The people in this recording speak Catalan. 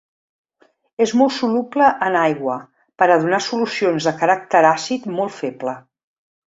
És molt soluble en aigua per a donar solucions de caràcter àcid molt feble.